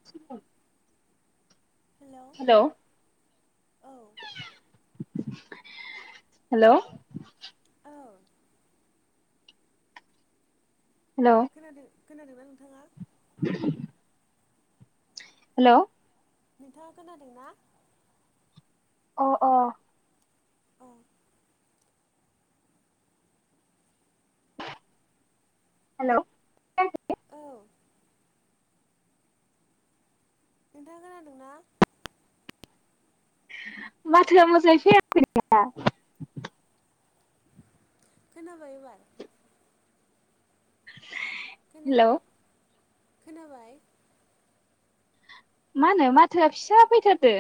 [inaudible] Hello hello औ hello. औ। Hello. खोनादों खोनादोंना नोंथाङा [inaudible] हेलौ नोंथाङा खोनादों ना? अ अ। औ हेलौ। औ। नोंथाङा खोनादों ना? माथोआ मोजाङै फैयाखै नोंनिया। खोनाबाय एबार? खोना हेलौ खोनाबाय? मा होनो माथोआ फिसा फैथारदो।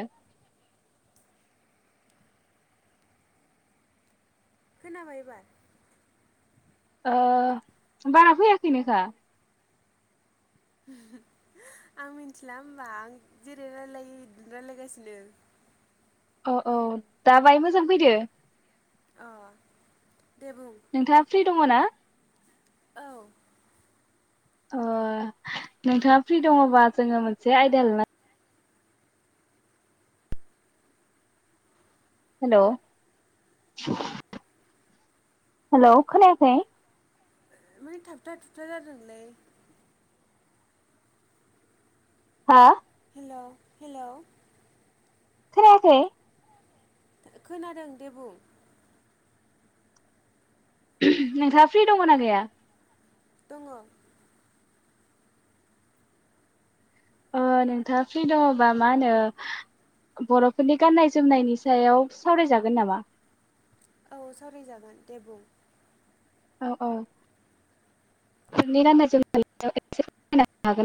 खोनाबाय एबार? ओ बारा फैयाखैनोखा। आं मिथिला होमबा आं जेरै रायलायो बिदिनो राय्लायगासिनो। औ औ दा बाय मोजां फैदो। अ दे बुं। नोंथाङा फ्रि दङ ना? औ। अ नोंथाङा फ्रि दङबा जोङो मोनसे आयदा ला हेल'। हेल' खोनायाखै? माने थाबथा थुबथा जादोंलै। हा? हेल' हेल'। खोनायाखै? खोनादों दे बुं। नोंथाङा फ्रि दङना गैया? दङ। ओ नोंथाङा फ्रि दङबा मा होनो बर'फोरनि गाननाय जोमनायनि सायाव सावरायजागोन नामा? औ सावरायजागोन दे बुं। औ औ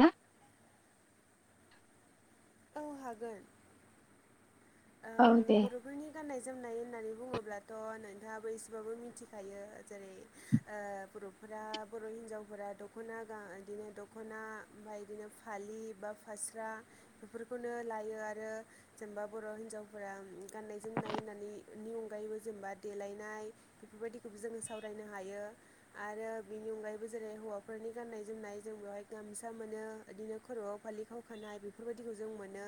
[unintelligible] औ हागोन। ओ औ दे बर' फोरनि गाननाय जोमनाय होननानै बुङोब्लाथ' नोंथाङाबो एसेबाबो मिथिखायो जेरै ओ बर'फोरा बर' हिनजावफोरा दख'ना गा बिदिनो दख'ना ओमफाय बिदिनो फालि बा फास्रा बेफोरखौनो लायो आरो जेनेबा बर' हिन्जावफोरा गाननाय जोमनाय होननानै इनि अनगायैबो जेनेबा देलायनाय बेफोरबायदिखौबो जोङो सावरायनो हायो आरो बिनि अनगायैबो जेरै हौवाफोरनि गाननाय जोमनाय जों बेवहाय गामसा मोनो बिदिनो खर'आव फालि खावखानाय बेफोरबायदिखौ जों मोनो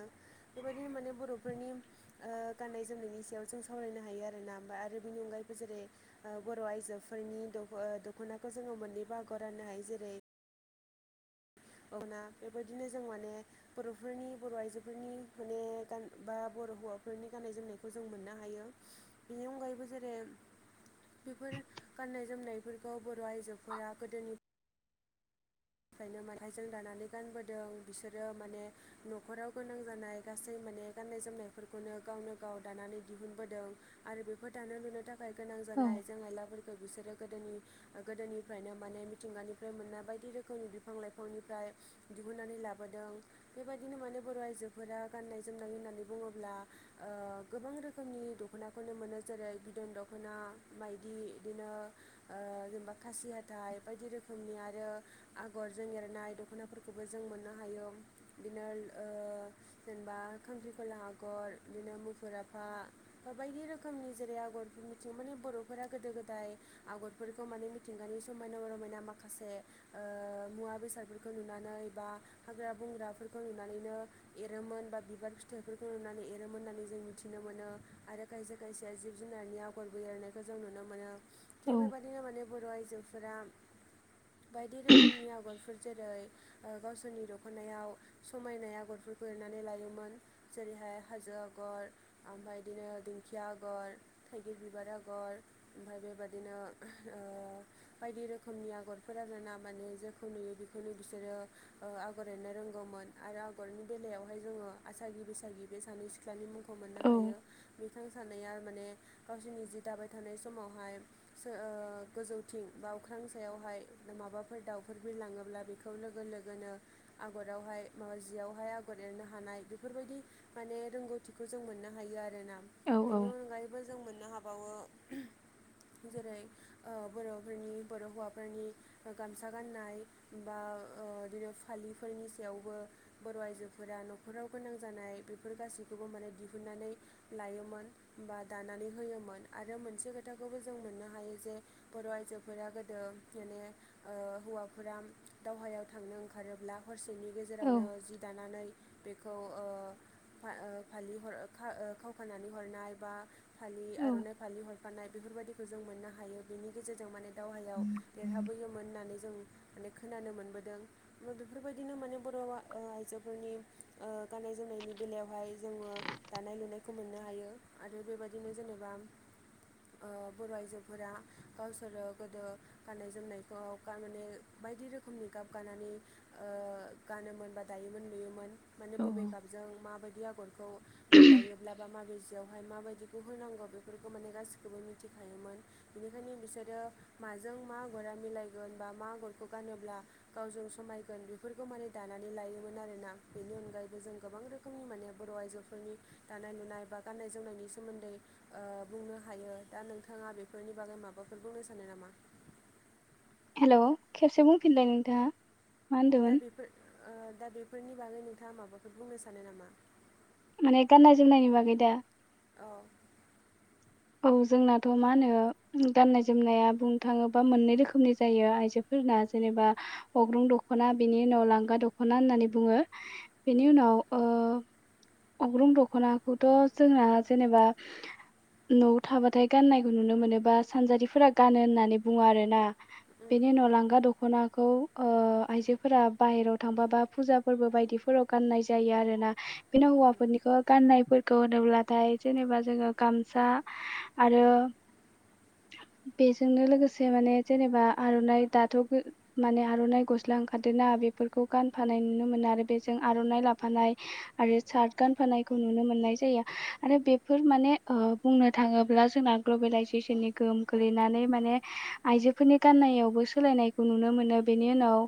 बेबायदिनो माने बर' फोरनि ओ गाननाय जोमनायनि सायाव जों सावरायनो हायो आरोना ओमफाय आरो बिनि अनगायैबो जेरै ओ बर' आइजोफोरनि दख' दख'नाखौ जोङो मोननैबो आगायाव राननो हायो जेरै अगना बेबायदिनो जों माने बर'फोरनि बर' आइजोफोरनि माने गान बा बर' हौवाफोरनि गाननाय जोमनायखौ जों मोननो हायो। बेनि अनगायैबो जेरै बेफोर गान्नाय जोमनायफोरखौ बर' आइजोफोरा गोदोनि फ्रायनो मानायजों दानानै गानबोदों बिसोरो माने न'खराव गोनां जानाय गासै माने गाननाय जोमनायफोरखौनो गावनो गाव दानानै दिहुनबोदों। आरो बेफोर दानो लुनो थाखाय गोनां औ जानाय आइजें आइलाफोरफोर बिसोरो गोदोनि गोदोनिफ्रायनो माने मिथिंगानिफ्राय मोननाय बायदि रोखोम बिफां लाइफांनिफ्राय दिहुननानै लाबोदों बेबायदिनो माने बर' आइजोफोरा गाननाय जोमनाय होननानै बुङोब्ला ओ गोबां रोखोमनि दख'नाखौनो मोनो जेरै बिदन दख'ना मायदि इदिनो जेनेबा खासि हाथाइ बायदि रोखोमनि आरो आगरजों एरनाय दख'नाफोरखौबो जों मोननो हायो। बिदिनो ओ जेनेबा खांख्रिख'ला आगर बिदिनो मुफुर आफा बायदि रोखोमनि जेरै आगरफोर मिथिं माने बर'फोरा गोदो गोदाय आगरफोरखौ माने मिथिंगानि समायना रमायना माखासे ओ मुवा बेसादफोरखौ नुनानै बा हाग्रा बंग्राफोरखौ नुनानैनो एरोमोन बा बिबार फिथाइफोरखौ नुनानै एरोमोन होन्नानै जों मिथिनो मोनो आरो खायसे खायसेया जिब जुनारनि आगरबो एरनायखौ जों नुनो मोनो। औ थिग बेबायदिनो माने बर' आइजोफोरा बायदि रोखोमनि आगरफोर जेरै गावसोरनि दख'नायाव समायनाय आगरफोरखौ एरनानै लायोमोन। जेरैहाय हाजो आगर ओमफाय बिदिनो दिंखिया आगर थाइगिर बिबार आगर ओमफाय बेबादिनो ओ बायदि रोखोमनि आगर फोरानो ना माने जेखौ नुयो बेखौनो बिसोरो ओ आगर एरनो रोंगौमोन आरो आगरनि बेलायावहाय जोङो आसागि बैसागि बे सानै सिख्लानि मुं खौ मोननो औ हायो बिथां सानैया माने गावसोरनि जि दाबाय थानाय समावहाय सो ओ गोजौथिं बा अख्रां सायावहाय माबाफोर दाउफोर बिलाङोब्ला बेखौ लोगो लोगोनो आगरावहाय माबा जियावहाय आगर एरनो हानाय बेफोरबायदि माने रोंगौथिखौ जों मोननो हायो आ आरोना बेनि औ अनगायैबो जों मोननो हाबावो जेरै बर'फोरनि बर' हौवाफोरनि गामसा गाननाय बा ओ [unintelligible] फालिफोरनि सायावबो बर' आइजोफोरा न'खराव गोनां जानाय बेफोर गासैखौबो माने दिहुननानै लायोमोन बा दानानै होयोमोन आरो मोनसे खोथाखौबो जों मोननो हायो जे बर' आइजोफोरा गोदो जेने ओ हौवाफोरा दावहायाव थांनो ओंखारोब्ला- हरसेनि गेजेरावनो जि दानानै बेखौ ओ फा ओ फालि हर खा खावखानानै हरनाय बा फालि आर'नाइ फालि हरफानाय बेफोरबायदिखौ जों मोननो हायो बेनि गेजेरजों माने दावहायाव देरहाबोयोमोन होननानै जों माने खोनानो मोनबोदों। बेफोरबायदिनो माने बर' आइजोफोरनि ओ गाननाय जोमनायनि बेलायावहाय जोङो दानाय लुनायखौ मोननो हायो आरो बेबायदिनो जेनेबा ओ बर' आइजोफोरा गावसोरो गोदो गाननाय जोमनायखौ गानानै बायदि रोखोमनि गाब गनानै गानोमोन बा दायोमोन नुयोमोन। माने बबे औ गाबजों माबायदि आगरखौ दायोब्लाबा माबे जियावहाय माबायदिखौ होनांगौ बेफोरखौ माने गासिखौबो मिथिखायोमोन। बेनिखायनो बिसोरो माजों मा आगरा मिलायगोन बा मा आगरखौ गानोब्ला गावजों समायगोन बेफोरखौ माने दानानै लायोमोन आरोना बेनि अनगायैबो जों गोबां रोख खोमनि माने बर' आइजोफोरनि दानाय लुनाय बा गाननाय जोमनायनि सोमोन्दै बुंनो हायो दा नोंथाङा बेफोरनि बागै माबाफोर बुंनो सानो नामा‌। हेल' खेबसे बुंफिनलाय नोंथाङा? मा दा होनदोंमोन बेफोर दा बेफोरनि बागै नोंथाङा माबाफोर बुंनो सानो नामा? माने गाननाय जोमनायनि बागै दा औ। औ जोंनाथ' मा होनो गाननाय जोमनाया बुंनो थाङोबा मोननै रोखोमनि जायो आइजो फोरना जेनेबा अग्रं दख'ना बेनि उनाव लांगा दख'ना होननानै बुङो। उम बेनि उनाव ओ अग्रं दख'नाखौथ' जोंना जेनेबा न'आव थाबाथाय गाननायखौ नुनो मोनोबा सानजारिफोरा गानो होननानै बुङो आरो ना। बिनि उनाव लांगा दख ख'नाखौ आइजोफोरा बाहेरायाव थां बा फुजा फोरबो बायदिफोराव गाननाय जायो आरोना बेनो उम हौवाफोरनिखौ गाननायफोरखौ होनोब्लाथाय जेनेबा जोङो गाम सा आरो बेजोंनो लोगोसे माने जेनेबा आर'नाइ दाथ' माने आर'नाइ गस्ला ओंखारदों ना बेफोरखौ उम गानफानाय नुनो मोनो आरो बे जों आर'नाइ लाफानाय आरो सार्ट गानफानायखौ नुनो मोननाय जायो आरो बेफोर माने बुंनो थाङोब्ला जोंना ग्लबेलाइजेसननि गोहोम गोलैनानै माने आइजोफोरनि गान्नायावबो सोलायनायखौ नुनो मोनो बेनि उनाव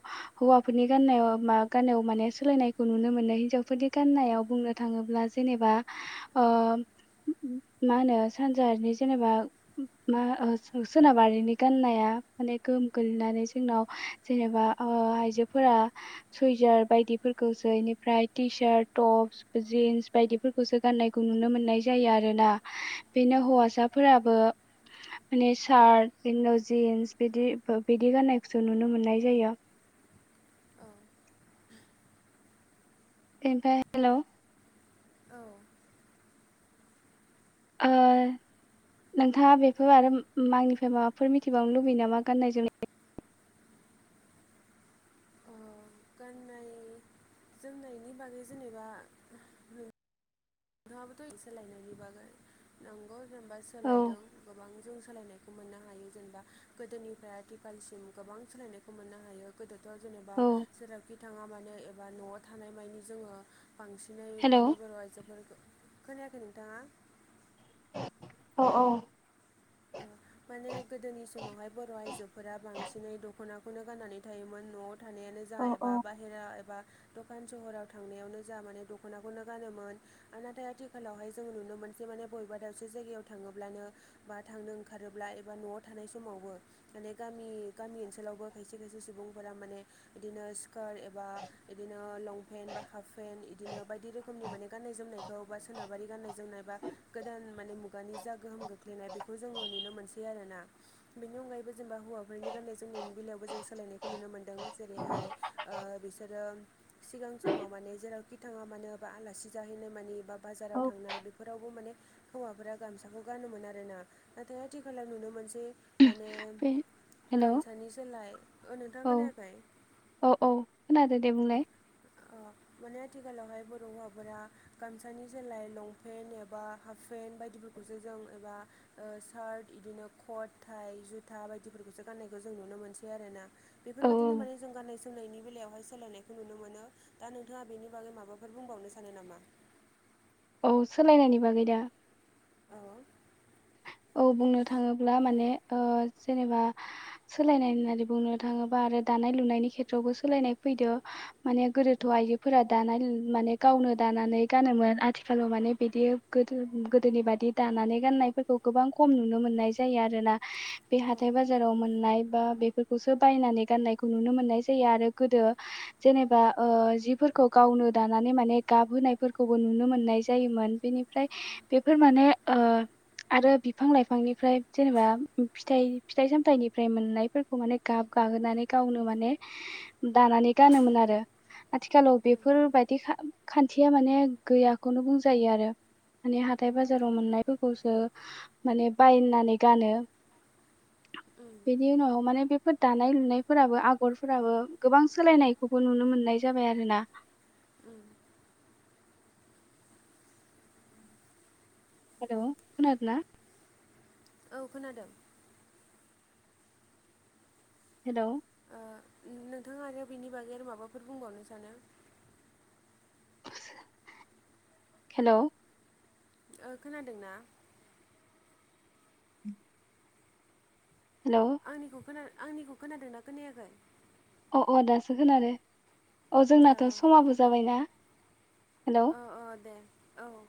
हौवाफोरनि गाननायाव मा गाननायाव माने सोलायनायखौ नुनो मोनो हिनजावफोरनि गान्नायाव बुंनो थाङोब्ला जेनेबा मा ओ होनो सानजायारिनि जेनेबा मा सोनाबारिनि गान्नाया माने गोहोम गोग्लैनानै जोंनाव जेनेबा आइजोफोरा सुइजार बायदिफोरखौसो इनिफ्राय टिसार्ट टपस जिन्स बायदिफोरखौसो गान्नायखौ नुनो मोननाय जायो आरो ना। बेनो उम हौवासाफोराबो माने सार्ट बिनि जिन्स बिदि बिदि गाननायखौसो नुनो मोननाय जायो। औ उम ओमफ्राय हेल' औ ओ नोंथाङा बेफोर आरो आंनिफ्राय माबाफोर मिथिबावनो लुबैयो नामा गाननाय जोमनाय गाननाय जोमनायनि बागै जेनेबा नोंथाङाबोथ' सोलायनायनि बागै नंगौ जेनेबा औ सोलायदों गोबां जों सोलायनायखौ मोननो हायो जेनेबा गोदोनिफ्राय आथिखालसिम गोबां सोलायनायखौ मोननो हायो। गोदोथ' जेनेबा औ जेरावखि थाङा मानो एबा न'आव थानाय मानि जोङो बांसिनै हेलौ माने बर' आइजोफोर खोनायाखै नोंथाङा? औ औ ब ओ माने गोदोनि समावहाय बर' आइजोफोरा बांसिनै दख'नाखौनो गाननानै थायोमोन न'आव थानायानो औ जाहा एबा औ बाहेरा एबा दखान सहराव थांनायावनो जा माने दख'नाखौनो गानोमोन। नाथाय आथिखालावहाय जों नुनो मोनसै माने बबेबा दावसे जायगायाव थाङोब्लानो बा थांनो ओंखारोब्ला एबा न'आव थानाय समावबो माने गामि गामि ओनसोलावबो खायसे खायसे सुबुंफोरा माने बिदिनो स्खार एबा बिदिनो लंपेन्ट बा हाफ पेन्ट इदिनो बायदि रोखोमनि माने गाननाय जोमनायखौ बा सोनाबारि गाननाय जोमनाय बा गोदान माने मुगानि जा गोहोम गोग लैनाय बेखौ जोङो नुनो मोनसै आरो ना। बेनि अनगायैबो जेनेबा हौवाफोरनि गान्नाय जोमनायनि बेलायावबो जों सोलायनायखौ नुनो मोन्दों। जेरैहाय ओ बिसोरो सिगां समाव माने जेरावखि थाङा मानो बा आलासि जाहैनाय मानि बा बाजाराव औ थांनाय बेफोरावबो माने हौवाफोरा गामसाखौ गानोमोन आरो ना नाथाय आथिखालाव नुनो मोनसै माने बे हेलौ गामसानि सोलाय ओ नोंथाङा औ खोनायाखै? औ औ खोनादों दे बुंलाय। माने आथिखालावहाय बर' हौवाफोरा गामसानि जाय लंपेन्ट एबा हाफ पेन्ट बायदिफोरखौसो जों एबा सार्ट बिदिनो कट थाइ जुथा बायदिफोरखौसो गाननायखौ जों नुनो मोनसै आर ना‌। औ बेफोरबायदिनो माने जों गाननाय जोमनायनि बेलायावहाय सोलायनायखौ नुनो मोनो। दा नोंथाङा बेनि बागै माबाफोर बुंबावनो सानो नामा? औ सोलायनायनि बागै दा औ। औ बुंनो थाङोब्ला माने ओ जेनेबा सोलायनाय होननानै बुंनो थाङोबा आरो दानाय लुनायनि खेथ्रआवबो सोलायनाय फैदो। माने गोदोथ' आइजोफोरा दानाय माने गावनो दानानै गानोमोन। आथिखालाव माने बिदि गोदो गोदोनि बायदि दानानै गाननाय फोर खौ गोबां खम नुनो मोननाय जायो आरोना। बे औ हाथाय बाजाराव मोननाय बा बे खौसो बायनानै गाननायखौ नुनो मोननाय जायो आरो गोदो जेनेबा ओ जिफोरखौ गावनो दानानै माने गाबहोनायफोरखौबो नुनो मोननाय जायोमोन। बेनिफ्राय बेफोर माने ओ आरो बिफां लाइफांनिफ्राय जेनेबा फिथाइ फिथाइ सामथायनिफ्राय मोननायफोर खौ माने गाब गाहोनानै गावनो माने दानानै गानोमोन आरो। आथिखालाव उम बेफोरबायदि खा खान्थिया माने गैयाखौनो बुंजायो आरो। माने हाथाय बाजाराव मोननायफोरखौसो माने बायनानै गानो। उम। बेनि उनाव माने बेफोर दानाय लुनायफोराबो आगरफोराबो गोबां सोलायनायखौबो नुनो मोननाय जाबाय आरो ना। ओम। हेल' खोनादों ना? औ खोनादों। हेल'। ओ नोंथाङा आरो बिनि बागै आरो माबाफोर बुंबावनो सानो? [unintelligible] हेल'। ओ खोनादों ना? हेल'‌। आंनिखौ खोना आंनिखौ खोनादोंना खोनायाखै? अ अ दासो खोनादों। अ ओ जोंनाथ' समाबो जाबायना। हेल! अअ दे औ औ।